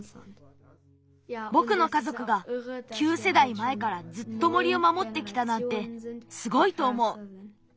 ぼくのかぞくが９せだいまえからずっと森を守ってきたなんてすごいとおもう。